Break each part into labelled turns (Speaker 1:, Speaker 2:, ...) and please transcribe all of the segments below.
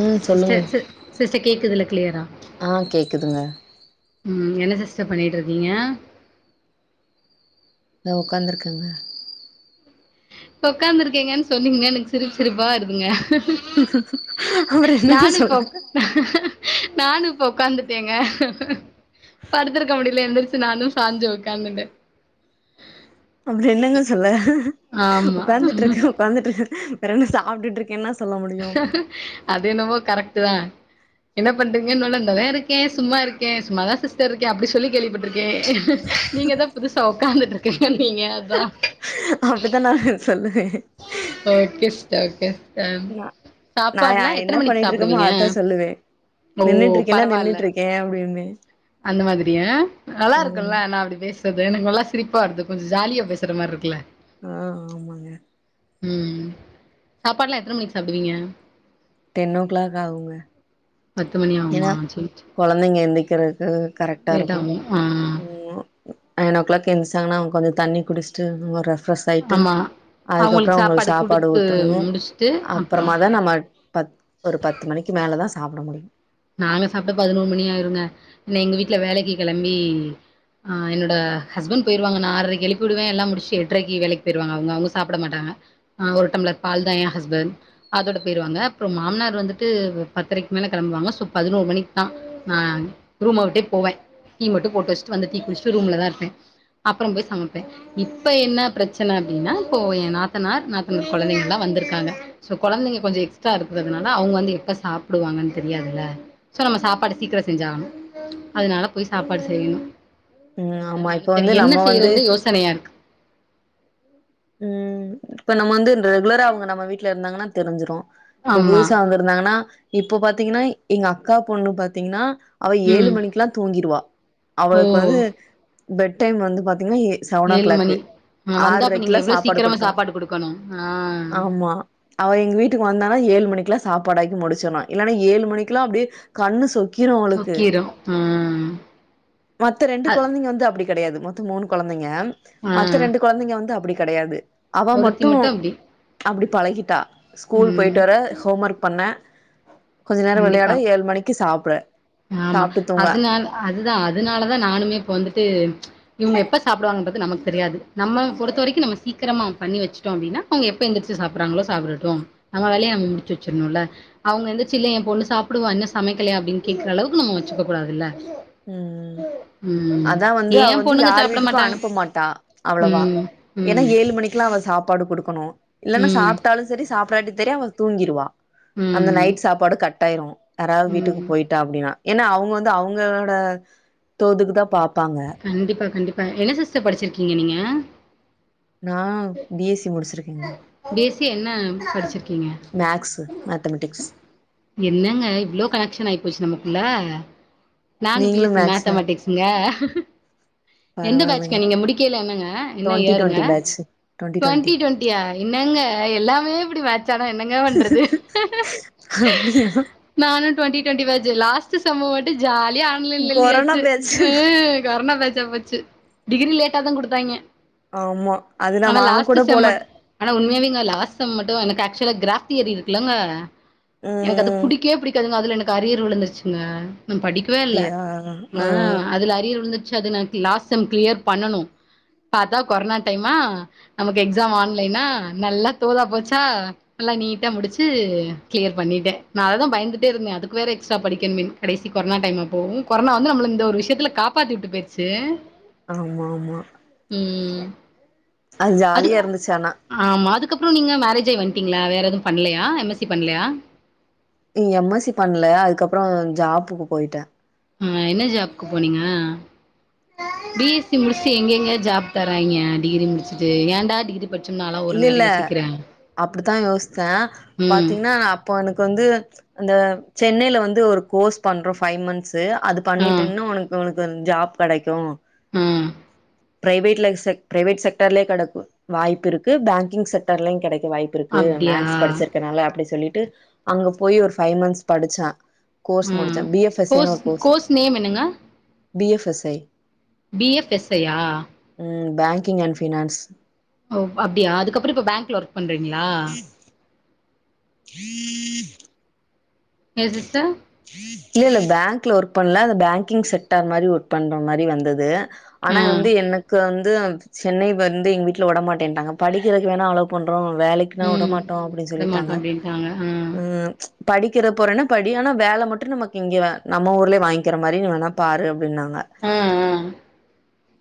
Speaker 1: ம் சொல்லுங்க
Speaker 2: sister sis sister கேக்குதுல க்ளியரா
Speaker 1: ஆ கேக்குதுங்க
Speaker 2: ம் என்ன சிஸ்டர் பண்ணிட்டு இருக்கீங்க
Speaker 1: இதோ ஒக்காந்துருக்கேங்க
Speaker 2: ஒக்காந்து இருக்கீங்கனு சொன்னீங்க எனக்கு சிரிப் சிரிப்பா வருதுங்க
Speaker 1: அப்றோ என்னங்க சொல்றது
Speaker 2: நானும் இப்ப ஒக்காந்துட்டேங்க படுத்துருக்க முடில எந்திரிச்சு நானு சாஞ்சு ஒக்காந்துண்டே
Speaker 1: அப்டி என்னங்க சொல்ல
Speaker 2: ஆமா
Speaker 1: ஒக்காந்துட்ருக்கே ஒக்காந்துட்ருக்கே வேறென்ன சாப்டுட்டுருக்கேனா சொல்ல முடியு
Speaker 2: அது என்னமோ கரெக்ட் தா என்ன பண்றீங்கன்னோனே நல்லா இருக்கே சும்மா இருக்கே சும்மாதா சிஸ்டர் இருக்கே அப்டி சொல்லி கேள்விப்பட்டிருக் கே நீங்க தா புதுசா ஒக்காந்துட்டு இருக்கேங்கனீங்க அதா
Speaker 1: அப்டிதா நா சொல்லுவேன்
Speaker 2: ஓகே சிஸ்டர் ஓகே சிஸ்டர்
Speaker 1: ந நா யா
Speaker 2: சாப்பாடுலா
Speaker 1: என்ன
Speaker 2: எத்தன மணிக்கு
Speaker 1: பண்ணிட்டு இருக்கோமோ
Speaker 2: சாப்டுவீங்க
Speaker 1: அதா சொல்லுவே
Speaker 2: ஓ
Speaker 1: நின்னுட்டு இருக்கேனா
Speaker 2: பரவால்ல
Speaker 1: நின்னுட்டு இருக்கே ஏ அப்டி இருந்தே
Speaker 2: அந்த மாதிரியா நல்லா இருக்குல ஆனா அப்டி பேசுறது எனக்கு நல்லா சிரிப்பா வருது கொஞ்சோ ஜாலியா பேசுற மாரி இருக்குல
Speaker 1: ம் ஆமாங்க
Speaker 2: ம் சாப்பாடுலா எத்தன மணிக்கு சாப்டுவீங்க
Speaker 1: டென் ஓ கிளாக் ஆகுங்க
Speaker 2: பத்து மணி ஆகுமா
Speaker 1: ஏன்னா
Speaker 2: செரி செரி
Speaker 1: கொழந்தைங்க எந்திக்கரதுக்கு கரெக்டா இருக்கு
Speaker 2: ஆகு ஆ
Speaker 1: உ ஆ நயன் ஓ கிளாக் எந்தச்சாங்கன்னா அவங்க கொஞ்சோ தண்ணி குடிச்சிட்டு அவங்க ரெஃப்ரெஷ் சாய்ட்டு
Speaker 2: ஆமா
Speaker 1: அதுக்கப்புறோ
Speaker 2: அவுங்களுக்கு
Speaker 1: அவங்களுக்கு சாப்பாடு
Speaker 2: குடுத்து
Speaker 1: ஊட்டணு
Speaker 2: முடிச்சுட்டு அப்றோ
Speaker 1: அப்புறமாதா நம்ம பத் ஒரு பத்து மணிக்கு மேல தா சாப்ட முடியு
Speaker 2: நாங்க சாப்ட பதினோரு மணி ஆயிருங்க இன்னு எங்க வீட்ல வேலைக்கு கெளம்பி என்னோட ஹஸ்பண்ட் போய்ருவாங்க நா ஆரரைக்கு எழுப்பி விடுவே எல்லா முடிச்சி எட்ரைக்கு வேலைக்கு போய்ருவாங்க அவங்க அவங்க சாப்ட மாட்டாங்க ஆ ஒரு டம்ளர் பால் தா எ ஹஸ்பண்ட் அதோட போயிருவாங்க அப்றோ மாமனார் வந்துட்டு பத்தெரக்கு மேல கெளம்புவாங்க ப்ப பதினோரு மணிக்கு தா நா ரூமா விட்டே போவே டீ மட்டும் போட்டு வச்சுட்டு வந்து டீ குடிச்சுட்டு ரூம்ல தா இருப்பே அப்புறோ போய் சமப்பே இப்ப என்ன பிரச்சன அப்டின்னா இப்போ என் நாத்தனார் நாத்தனார் கொழந்தைங்க எல்லா வந்திருக்காங்க சோ கொழந்தைங்க கொஞ்சோ எக்ஸ்ட்ரா இருக்குறதுனால அவங்க வந்து எப்ப சாப்பிடுவாங்கனு தெரியாதுல்ல சோ நம்ம சாப்பாடு சீக்கிரோ செஞ்சு ஆகணு அதனால போய் சாப்பாடு செய்யணு
Speaker 1: ம்
Speaker 2: இனிமேதா
Speaker 1: ஆமா இப்ப
Speaker 2: நானு செரி
Speaker 1: வந்து
Speaker 2: என்ன
Speaker 1: நம்ம வந்து
Speaker 2: செய்யறது யோசனயா இருக்கு
Speaker 1: உ இப்ப நம்ம வந்து ரெகுலரா அவங்க நம்ம வீட்ல இருந்தாங்கன்னா தெரிஞ்சிரு இப்ப
Speaker 2: ஆமா
Speaker 1: புதுசா வந்து இருந்தாங்கனா இப்ப பாத்தீங்கனா எங்க அக்கா பொண்ணு பாத்தீங்கனா அவ ஏழு
Speaker 2: ம்
Speaker 1: மணிக்குலா தூங்கிருவா
Speaker 2: ஓ
Speaker 1: அவளுக்கு வந்து பெட் டைம் வந்து பாத்தீங்கனா ஏ
Speaker 2: ஏழு மணி அவ வந்தாப்ப நீங்க எவ்ளோ
Speaker 1: சாப்பாடு
Speaker 2: சீக்கிரமா
Speaker 1: குடுத்தணு
Speaker 2: சாப்பாடு குடுக்கணு ஆ
Speaker 1: ஆமா அவ எங்க வீட்டுக்கு வந்தானா ஏழு மணிக்லா சாப்பாடாக்கி முடிச்சிர்ணு இல்லன்னா ஏழு மணிக்குலா அப்டியே கண்ணு சொக்கிரு அவளுக்கு
Speaker 2: சொக்கிரு ஆ
Speaker 1: மத்த ரெண்டு
Speaker 2: அ
Speaker 1: குழந்தைங்க வந்து அப்டி கெடையாது மொத்தோ மூணு குழந்தைங்க
Speaker 2: ஆ
Speaker 1: மத்த ரெண்டு குழந்தைங்க வந்து அப் கெடையாது அவ
Speaker 2: ஒருத்தி
Speaker 1: மட்டு
Speaker 2: அப்டி
Speaker 1: அப்டி பழகிட்டா ஸ்கூல்
Speaker 2: ம்
Speaker 1: போயிட் டர ஹோமொர்க் பண்ண கொஞ்ச நேரோ வெளையாட
Speaker 2: கண்டிப்பா
Speaker 1: ஏழ் மணிக்கு சாப்ட சாப்ட்டு தூங்க
Speaker 2: அதுதா அதுனாலதா நானுமே இப்ப வந்துட்டு இவுங்க எப்ப சாப்டுவாங்கன்றது நமக்கு தெரியாது நம்ம பொறுத்தவரைக்கு நம்ம சீக்ரமா பண்ணி வச்சிட்டோ அப்டினா அவுங்க எப்ப எந்திரிச்சி சாப்றாங்களோ சாப்டட்டும் நம்ம வேலையை நம்ம முடிச்சி வச்சிர்ணுல அவுங்க எந்திர் சிலே ஏ பொண்ணு சாப்டுவா இன்னு சமைக்கலையா அப்டின் கேக்குறளவுக்கு நம்ம வச்சுக்க கூடாதுல
Speaker 1: ம் ம் அதா வந்து அவ
Speaker 2: ஏன்
Speaker 1: வந்து
Speaker 2: பொண்ணுங்க
Speaker 1: யாரு
Speaker 2: சாப்பிட
Speaker 1: வீட்டுக்கு
Speaker 2: மாட்டாங்க.
Speaker 1: அனுப்ப மாட்டா அவ்ளவா
Speaker 2: ம்.
Speaker 1: எனா
Speaker 2: ம்.
Speaker 1: ஏழு மணிக் க்குலா அவ சாப்பாடு குடுக்கணு இல்லனா
Speaker 2: ம்.
Speaker 1: சாப்ட்டாலு செரி சாப்டாட்டி தெரி அவ தூங்கிருவா அந்த
Speaker 2: ம்.
Speaker 1: நைட் சாப்பாடு கட் ஆய்ரு யாராவ்து வீட்டுக்கு
Speaker 2: ம்.
Speaker 1: போயிட்டா அப்டினா ஏன்னா அவுங்க வந்து அவுங்க ட தோதுக்குதா பாப்பாங்க
Speaker 2: கண்டிப்பா கண்டிப்பா என்ன சிஸ்டர் படிச்சிருக்கீங்க நீங்க
Speaker 1: நா பி எஸ் சி முடிஷ்சிருக்
Speaker 2: பி எஸ் சி என்ன படிச்சிருக்கீங்க
Speaker 1: மேக்ஸ் மேத்தமெட்டிக்ஸ்
Speaker 2: என்னங்க இவ்ளோ கனெக்ஷன் ஆயி போச்சி நமக்குள்ள நானு பி
Speaker 1: நீங்களு
Speaker 2: எஸ் சி
Speaker 1: மேக்ஸா
Speaker 2: மேத்தமெட்டிக்ஸ் ங்க எந்த
Speaker 1: பரவால்லங்க
Speaker 2: பேட்ச்க நீங்க முடிக்கையில என்னங்க என்ன
Speaker 1: டுவெண்ட்டி
Speaker 2: இயருங்க
Speaker 1: twenty batch twenty twenty
Speaker 2: twenty டுவெண் டியா என்னங்க எல்லாமே இப்டி மேட்ச ஆனா என்னங்க பண்றது
Speaker 1: அப்டியா
Speaker 2: நானு twenty twenty batch last sem மட்டு ஜாலியா [unintelligible]
Speaker 1: கொரோனா
Speaker 2: எழுதியாச்சி
Speaker 1: பேட்ச்சு
Speaker 2: ஆ கொரோனா பேட்ச்சா போச்சி டிகிரி லேட்டா தா குடுத்தாய்ங்க
Speaker 1: ஆமா அது நா
Speaker 2: ஆனா
Speaker 1: வாங்க கூட
Speaker 2: லாஸ்ட்டு செம்
Speaker 1: போல
Speaker 2: மட் ஆனா உண்மையாவேங்க லாஸ்ட் செம் மட்டு எனக்கு அக்சுலா கிராஃப் தியரி இருக்குல்லங்க எனக்கு அது
Speaker 1: ம்
Speaker 2: புடிக்கவே புடிக்காதுங்க அதுல எனக்கு அரியர் விழுந்துருச்சிங்க நா படிக்கவே இல்ல ஆ அதுல அரியர் விழுந்திருச்சு அது நா லாஸ்ட் செம் கிளியர் பண்ணனு பாத்தா கொரோனா டைமா நமக்கு எக்ஸாம் ஆன்லைனா நல்லா தோதா போச்சா நல்லா நீட்டா முடிச்சி கிளியர் பண்ணிட்டே நா அதா பயந்துட்டே இருந்தே அதுக்கு வேற எக்ஸ்ட்ரா படிக்கணுமேன்னு கடைசி கொரோனா டைமா போவு கொரோனா வந்து நம்மள இந்த ஒரு விஷ்யத்துல காப்பாத்தி விட்டு போயிருச்சி
Speaker 1: ஆமாமா
Speaker 2: ம்
Speaker 1: அது ஜாலியா இருந்துச்சு ஆனா
Speaker 2: ஆமா அதுக்கப்றோ நீங்க மேரேஜாய் வந்ட்டீங்களா வேற எதும் பண்லயா எம் எஸ் சி பண்லையா
Speaker 1: ம் எம் எஸ் சி பண்ல அதுக்கப்றோ ஜாப்புக்கு போயிட்டே
Speaker 2: ம் என்ன ஜாப்க்கு போனீங்க பி எஸ் சி முடிச்சுட்டு எங்கங்க ஜாப் தர்றாய்ங்க டிகிரி முடிச்சிட்டு ஏன்டா டிகிரி வச்சுன்னாலா
Speaker 1: இல்லல்ல அப்டிதா யோஷ்த்தே
Speaker 2: ம்
Speaker 1: பாத்திங்கன்னா அப்போ எனக்கு வந்து அந்த சென்னையில வந்து ஒரு கோர்ஸ் பண்றோ ஃபைவ் மந்த்ஸு அது
Speaker 2: ஆ
Speaker 1: பண்ணிட்டின்னு உனக்கு உனக்கு வந் ஒரு ஜாப் கெடைக்கு
Speaker 2: ஆ
Speaker 1: ப்ரைவேட்ல செக் ப்ரைவேட் செக்டார்லையு கெடக்கு வாய்ப்புருக்கு பேங்கிங் செக்டார்லயு கெடைக்க வாய் ப்பிருக்கு
Speaker 2: அப்டியா
Speaker 1: மேக்ஸ் படிச்சிருக்கனால அப்டி சொல்லிட்டு அங்க போய் ஒரு ஃபைவ் மந்த்ஸ் படிச்ச கோர்ஸ்
Speaker 2: ம்
Speaker 1: முடிச்சே பி எஃப் எஸ் ஐன்னு
Speaker 2: கோர்ஸ்
Speaker 1: ஒரு கோர்ஸு
Speaker 2: கோர்ஸ் நேம் என்னங்க
Speaker 1: B F S I
Speaker 2: B F S I யா
Speaker 1: ம் பேங்கிங் அண்ட் ஃபினான்ஸ்
Speaker 2: ஓ அப்டியா அதுக்கப்பறோ இப்போ பேங்க்ல ஒர்க் பண்றீங்களா
Speaker 1: உஹம்
Speaker 2: ஏ சிஸ்டர்
Speaker 1: இல்ல இல்ல பேங்க்ல ஒர்க் பண்ணல அந்த பேங்கிங் செக்டார் மாரி ஒர்க் பண்ற மாரி வந்தது
Speaker 2: ஆ
Speaker 1: ஆனா வந்து எனக்கு வந்து சென்னை வந்து எங்க வீட்ல வுடமாட்டேன்ட்டாங்க படிக்கிறதுக்கு வேணா அலோவ் பண்றோ வேலைக் குலா
Speaker 2: ம்
Speaker 1: வுடமாட்டோ அப்டின்னு
Speaker 2: விட மாட்டோ
Speaker 1: சொல்லிட்டாங்க
Speaker 2: அப்டின்ட்டாங்க ஆ
Speaker 1: ம் படிக்கிற போறனா படி ஆனா வேல மட்டு நமக்கு இங்க நம்ம ஊர்லே வாங்கிக்கிற மாரி நீ வேணா பாரு அப்டின்னாங்க
Speaker 2: ஆ ஆ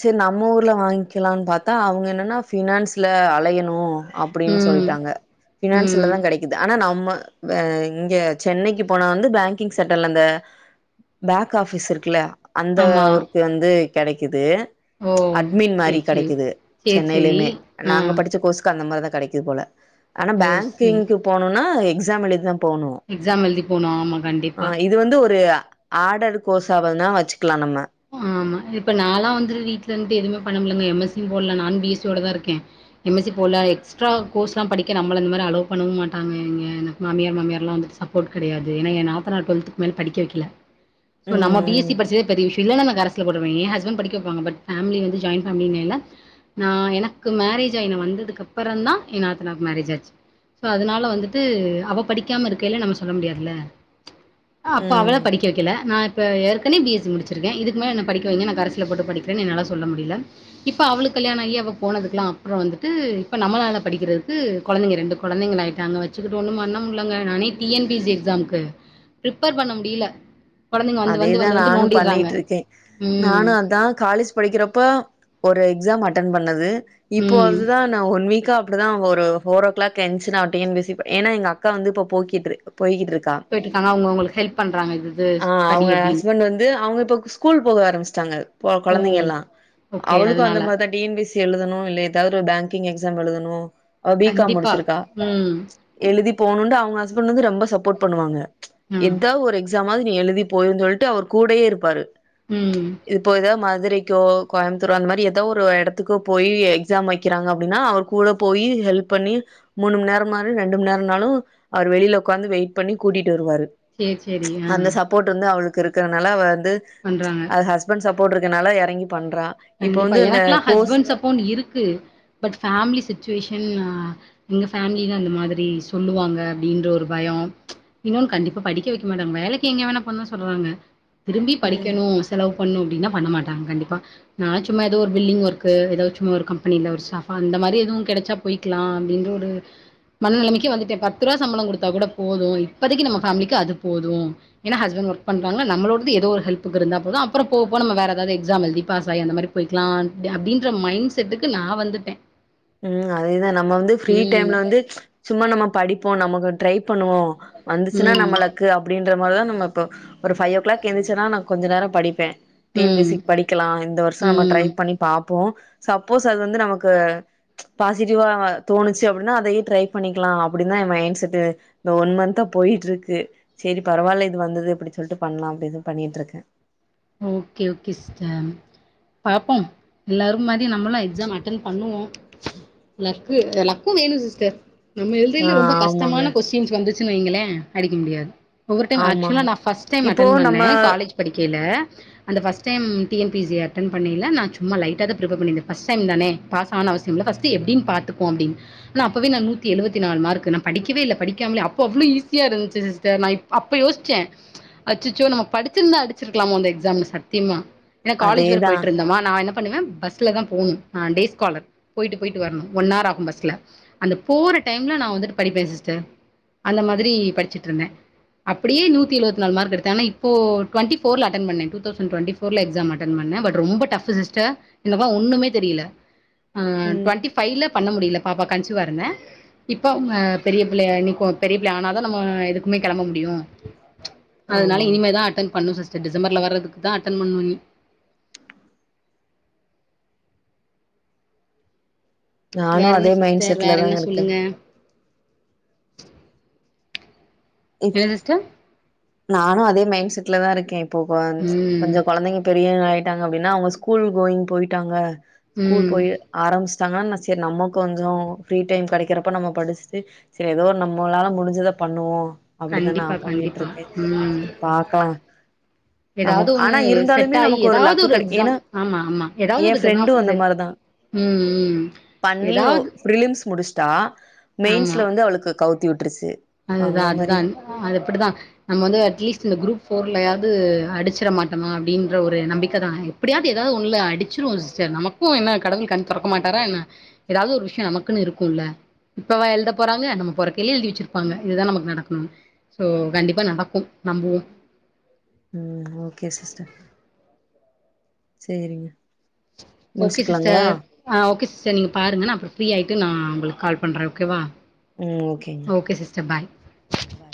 Speaker 1: செர் நம்ம ஊர்ல வாங்கிக்கலானு பாத்தா அவங்க என்னன்னா ஃபினான்ஸ்ல அலையணு அப்டின்னு
Speaker 2: ம்
Speaker 1: சொல்லிட்டாங்க
Speaker 2: ம்
Speaker 1: ஃபினான்ஸ்லதா கெடைக்குது ஆனா நம்ம வே இங்க சென்னைக்கு போனா வந்து பேங்கிங் செட்டர்ல அந்த பேக் ஆஃபிஸ் இருக்குல்ல அந்த
Speaker 2: ஆமா
Speaker 1: ஒரு இது வந்து கெடைக்குது
Speaker 2: ஓ
Speaker 1: அட்மின் மாரி
Speaker 2: சேரி சேரி
Speaker 1: கெடைக்குது
Speaker 2: சேரி சேரி
Speaker 1: சென்னையிலேமே
Speaker 2: ஆ
Speaker 1: நாங்க படிச்ச கோர்ஸ் க்கு அந்த மார்தா கெடைக்குது போல ஆனா
Speaker 2: ஓ சேரி
Speaker 1: பேங்கிங்க்கு போனுனா எக்ஸாம் எழுதிதா போகனு
Speaker 2: எக்ஸாம் எழுதி போனு ஆமா கண்டிப்
Speaker 1: ஆ இது வந்து ஒரு ஆடடு கோர்ஸா வேணா வச்சுக்கலா நம்ம
Speaker 2: ஆமா இப்ப நாலா வந்துட்டு வீட்ல இருந்துட்டு எதுமே பண்ண முலங்க எம் எஸ் சி யு போட்ல நானு பி எஸ் சி யோடதா இருக்கே எம் எஸ் சி போட்ல எக்ஸ்ட்ரா கோர்ஸ்லா படிக்க நம்மள இந்த மாரி அலோவ் பண்ண மாட்டாங்க எங்க எனக்கு மாமியார் மாமியார்லா வந்துட்டு சப் போர்ட் கெடையாது ஏனா எ நாத்தனார் டுவெல்த்துக்கு மேல படிக்க வைக்கல சோ நம்ம பி எஸ்
Speaker 1: ம்
Speaker 2: சி
Speaker 1: ம்
Speaker 2: படிச்சதே பெரிய விஷ் இல்ல நம்ம ஹரஸ்ல போட்டுக்லா ஏ ஹஸ்பன்ட் படிக்க வப்பங்க பட் ஃபேமிலி வந்து ஜாய்ண்ட் ஃபேமிலிங்கைல நா எனக்கு மேரேஜ் ஆயி நா வந்ததுக்கப்பறந்தா எ நாத்தனாக்கு மேரேஜ் ஆச்சு சோ அதனால வந்துட்டு அவ படிக்காம இருக்கைல்ல நம்ம சொல்ல முடியாதுல அ அப்போ அவள
Speaker 1: ம்
Speaker 2: படிக்க வைக்கல நா இப்ப ஏற்கனவே பி எஸ் சி முடிச் சுருக்க இதுக்கு மேல என்ன படிக்க வைங்க நா ஹரஸ்ல போட்டு படிக்றேன் என்னால சொல்ல முடில இப்போ அவளுக்கு கல்யாணாயி அவ போனதுக்கலா அப்றோ வந்துட்டு இப்போ நம்மளால படிக்கிறதுக்கு கொழந்தைங்க ரெண்டு கொழந்தைங்களா ஆயிட்டாங்க வச்சுக்குட்டு ஒன்னு பண்ண முல்லங்க நானே T N P S C எக்ஸாம்க்கு பிரிப்பேர் பண்ண முடில கொழந்தைங்க வந்து வந்து வந்து வந்து நோண்
Speaker 1: பண்ணிட்டுருக்கே நானு அதா காலேஜ் படிக்கிறப்போ ஒரு எக்ஸாம் அட்டன் பண்ணது இப்போ
Speaker 2: ம்.
Speaker 1: அதுதா நா ஒன் வீக்கா இப்டிதா ஒரு ஃபோர் ஓ க்ளாக் எந்ச்சு நா T N P S C ப ஏனா எங்க அக்கா வந்து இப்போ போக்கிட்டுரு போயிக்ட்டுருக்கா
Speaker 2: போய்ட்டு இருக்காங்க அவங்க உங்ளுக் ஹெல்ப் பண்றாங்க இது இது
Speaker 1: ஆ
Speaker 2: படி
Speaker 1: அவங்க
Speaker 2: அப்படின்னு.
Speaker 1: ஹஸ்பண்ட் வந்து அவங்க இப்ப கு ஸ்கூல் போக ஆரம்பிச்சிட்டாங்க போ
Speaker 2: ஓ!
Speaker 1: கொழந்தைங்க எல்லா
Speaker 2: ஓகே.
Speaker 1: அவளுக்கு அந்த
Speaker 2: அதனால.
Speaker 1: மாரிதா டி என் பி எஸ் எழுதணு இல்ல எதாவ் ஒரு பேங்கிங் எக்ஸாம் எழுதணு அவ பி காம்
Speaker 2: கண்டிப்பா.
Speaker 1: முடிச்சிருக்கா
Speaker 2: ம்.
Speaker 1: எழுதி போணுன்டு அவங்க ஹஸ்பண்ட் வந்து ரொம்ப சப்போர்ட் பண்ணுவாங்க
Speaker 2: ம்.
Speaker 1: எதாவ் ஒரு எக்ஸாம் நீ எழுதி போயிர்ன்னு சொல்ட்டு அவர் கூடயே இருப்பாரு
Speaker 2: ம்
Speaker 1: இப்போ எதாவ் மதுரைக்கோ கோயாமுத்தூர் அந்த மாரி எதாவ் ஒரு எடத்துக்கோ போய் எக்ஸாம் வைக்கிறாங்க அப்டின்னா அவர் கூட போய் ஹெல்ப் பண்ணி மூணு மண் நேரம் மார் ரெண்டு மண் நேரோனாலு அவர் வெளில உக்காந்து வெயிட் பண்ணி கூட்டிட்டு வருவாரு
Speaker 2: சேர் செரி ஆ
Speaker 1: ப்போர்ட் வந்து அவளுக்கு இருக்கறனால வந்து
Speaker 2: பண்றாங்க
Speaker 1: அது ஹஸ்பண்ட் சப்போர்ட் இருக்கனால எறங்கி பண்றா இப்போ வந்து இந்த கோர்ஸ்
Speaker 2: ப்போனு இருக்கு பட் ஃபேமிலி சுச்சுவேஷன் அ எங்க ஃபேமிலிதா அந்த மாதிரி சொல்லுவாங்க அப்டின்ற ஒரு பயோ இன்னொனு கண்டிப்பா படிக்க வைக்க மாட்டாங்க வேலைக்கு எங்க வேணா போனுதா சொல்றாங்க திரும்பி
Speaker 1: ம்.
Speaker 2: படிக்கணு செலவு பண்ணு அப்டின்னா பண்ண மாட்டாங் கண்டிப்பா நா சும்மா ஏதோ ஒரு பில்டிங் ஒர்கு ஏதாச்சு ஒரு கம்பனியில ஒரு ஸாபா அந்த மாரி எது கெடச்சா போய்க்லா அப்டின்ற ஒரு மன நெலைமைக்கு வந்துட்ட பத்து ரூவா சம்பள குடுத்தா கூட போது இப்பதைக்கு நம்ம ஃபேமிலிக்கு அது போது ஏனா ஹஸ்பண்ட் ஒர்க் பண்றாங்க நம்மளோடது ஏதோ ஒரு ஹெல்புக்கு இருந்தா போது அப்புற போ போவ நம்ம வேற ஏதாவது எக்ஸாம் எழுதி பாஸ் அந்த மாரி போய்க்லா அப்டின்ற மைண்ட செட்டுக்கு நா வந்துட்டே
Speaker 1: ம் அதேதா நம்ம வந்து பி ஃரீ
Speaker 2: ம்
Speaker 1: டைம்ல வந்து சும்மா நம்ம படிப்போ நமக்கு ட்ரை பண்ணுவோ வந்துச்சுன்னா
Speaker 2: ம்
Speaker 1: நம்ம லக் அப்டின்ற மாரி தா நம்ம இப்ப ஒரு ஃபை ஓ கிளாக் எந்திரிச்சனா நா கொஞ்ச நேரோ படிப்பே டி என் பி
Speaker 2: ம்
Speaker 1: சி படிக்கலா இந்த வருஷோ நம்ம ட்ரை
Speaker 2: ம்
Speaker 1: பண்ணி பாப்போ சப்போஸ் அது வந்து நமக்கு பாசிட்டிவா தோணுச்சி அப்டினா அதையே ட்ரை பண்ணிக்கலா அப்படின் தா எ மைண் செட்டு இந்த ஒன் மந்த்தா போய்ட்டு இருக்கு செரி பரவாயில்ல இது வந்தது எப்டி சொல்ட்டு பண்லா அப்டிதா பண்ணிட்ருக்க
Speaker 2: ஓகே ஓகே சிஸ்டர் பாப்போம் எல்லாரு மாதி நம்மலா எக்ஸாம் அட்டன் பண்ணுவோ லக்கு லக்கு வேணு சிஸ்டர் நம்ம
Speaker 1: ஆ
Speaker 2: எழுதையில ரொம்ப
Speaker 1: ஆமாங்க
Speaker 2: கஷ்டமான கொஸ்டின்ஸ் வந்துச்சுன் வைங்களே அடிக்க முடியாது ஒவ்வொரு டைம் ஆக்சுலா
Speaker 1: ஆமாங்க
Speaker 2: நா ஃபஸ்ட் டைம்
Speaker 1: இப்போ
Speaker 2: அட்டன் பண்ண
Speaker 1: நம்ம
Speaker 2: காலேஜ் படிக்கையில அந்த first time T N P C அன்டன் பண்ணையில நா சும்மா லைட்டாதா பிரப்பர் பண்ணிருந்த ஃபஸ்ட் டைம் தானே பாஸ் ஆனா அவசியம் இல்ல ஃபஸ்ட் எப்டின் பாத்துபோ அப்டின் ல அப்பவே நா நூத்தி எழுவத்தி நாலு மார்க் நா படிக்கவே இல்ல படிக்காமலே அப்போ அவ்ளோ ஈஸியா இருந்த்ச்சி சிஸ்டர் நா இப் அப்ப யோச்ச அச்சச்சோ நம்ம படிச்சிருந்தா அடிச்சிருக்கலாமோ அந்த எக்ஸ் சாம்ல சத்தியமா ஏனா காலேஜ் வேற
Speaker 1: அதேதான்
Speaker 2: போயிட்டு இருந்தமா நா என்ன பண்ணுவே பஸ்ல தா போனு நா டேஸ் காலர் போயிட்டு போயிட்டு வரணு ஒன் ஹார் ஆகு பஸ்ல அந்த போற டைம்ல நா வந்துட்டு படிப்பே சிஸ்டர் அந்த மாதிரி படிச்சிட் இருந்தே அப்டியே நூத்தி எழுவத்தி நாள் மார்க் எடுத்த ஆனா இப்போ டுவண்டி ஃபோர்ல அட்டன் பண்ண டூ தௌசண் டுவெண்டி ஃபோர்ல எக்ஸாம் அட்டன் பண்ண பட் ரொம்ப டஃப் சிஸ்டர் இந்த பா ஒண்ணுமே தெரியில ஆ
Speaker 1: ம்
Speaker 2: ட்வெண்ட்டி ஃபைல பண்ண முடியல பாப்பா கன்சீவா இருந்தே இப்ப ம பெரிய பிள்ளையா நீக்கு பெரிய பிள்ள ஆனா தா நம்மோ எதுக்குமே கெளம்ப முடியு அதனால
Speaker 1: ஆமாங்க
Speaker 2: இனிமே அட்டன் பண்ணு சி்ஸ்டர் டிசம்பர்ல வர்றதுக்கு தா அட்டன் பண்ணுவே இனி
Speaker 1: நானு
Speaker 2: வேற என்ன
Speaker 1: அதே மைண்ட்
Speaker 2: சிஸ்டர் வேற
Speaker 1: செட்ல
Speaker 2: என்ன
Speaker 1: தாங்க இருக்க
Speaker 2: சொல்லுங்க என்ன சிஸ்டர்
Speaker 1: நானு அதே மைண்ட் செட்ல தா இருக்கே இப்போ கொஞ்
Speaker 2: ம்
Speaker 1: கொஞ்ச கொழந்தைங்க பெரியவங்க ஆயிட்டாங்க அப்டினா அவுங்க ஸ்கூல் கோயிங் போயிட்டாங்க ஸ்கூல்
Speaker 2: ம்
Speaker 1: போய் ஆரம்பிச்சிட்டாங்கனா நா செரி நம்ம கொஞ்சோ ஃப்ரீ டைம் கெடைக்கிறப்ப நம்ம படிச்ட்டு செரி ஏதோ நம்மளால முடிஞ்சத பண்ணுவோ அப்டிதா நா
Speaker 2: கண்டிப்பா கண்டிப்பா
Speaker 1: பண்ணிட்ருக்கே
Speaker 2: ம்
Speaker 1: செரி பாக்கலா
Speaker 2: ஏதாவது
Speaker 1: நமக்
Speaker 2: ஒண்ணு
Speaker 1: ஆனா
Speaker 2: செட்
Speaker 1: இருந்தாலுமே
Speaker 2: ஆகி
Speaker 1: நமக்கு ஒரு
Speaker 2: ஏதாவது
Speaker 1: லக்கு கடை ஏனா
Speaker 2: எக்ஸாம் ஆமா ஆமா ஏதாவது
Speaker 1: ஏ
Speaker 2: ஒரு
Speaker 1: ஃப்ரெண்டு
Speaker 2: எக்ஸாம்
Speaker 1: அந்த மாரிதா
Speaker 2: ம் ம்
Speaker 1: பண்ணி ஒ
Speaker 2: ஏதாவது
Speaker 1: பிர்லிம்ஸ் முடிச்ட்டா மெயின்ஸ்ல வந்து அவுளுக்கு கவுத்தி வுட்டுர்ச்சி
Speaker 2: அது தா அது தான் அது அப்டிதா நம்ம வந்து அட்லீஸ்ட் இந்த குரூப் ஃபோர்லயாவது அடிச்சிற மாட்டமா அப்படின்ற ஒரு நம்பிக்க தா ஆ இப் அப்டியாது ஏதாவது ஒண்ல அடிச்சுரு சிஸ்டர் நமக்கு என்ன கடவுள் கண் தொறக்க மாட்டாரா என்ன ஏதாவது ஒரு விஷ்யம் நமக்குனு இருக்கு இல்ல இப்ப வா எழுத போறாங்க நம்ம பொறக்கையிலே எழுதி வச்சிரு பாங்க இதுதா நமக்கு நடக்கணு சோ கண்டிப்பா நடக்கும் நம்புவோ
Speaker 1: ம் ஓகே சிஸ்டர் சேரிங்க
Speaker 2: ஓகே
Speaker 1: முடிச்சுக்கலாங்களா
Speaker 2: சிஸ்டர் ஆ ஓகே சிஸ்டர் நீங்க பாருங்கங்க நா அப்றோ ஃப்ரீயிட்டு நா உங்களுக்கு கால் பண்றே ஓகேவா
Speaker 1: ம் ஓகேங்க
Speaker 2: ஓகே சிஸ்டர் பாய்
Speaker 1: ம் பாய்